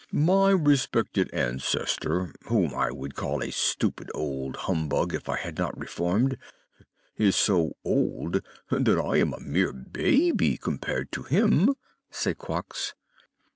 "My respected Ancestor, whom I would call a stupid old humbug if I had not reformed, is so old that I am a mere baby compared with him," said Quox.